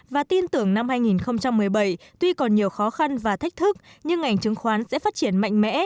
và tin tưởng năm hai nghìn một mươi bảy tuy còn nhiều khó khăn và thách thức nhưng ngành chứng khoán sẽ phát triển mạnh mẽ